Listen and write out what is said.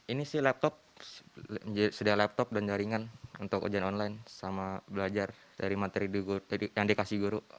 ini sih laptop sedia laptop dan jaringan untuk ujian online sama belajar dari materi yang dikasih guru